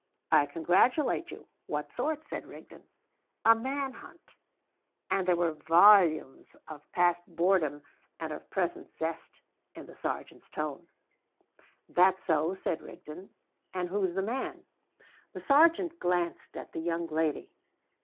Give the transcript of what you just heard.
"I congratulate you. What sort?" said Rigden. "A man hunt!" And there were volumes of past boredom and of present zest in the sergeant's tone. "That so?" said Rigden. "And who's the man?" The sergeant glanced at the young lady.